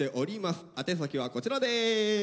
宛先はこちらです！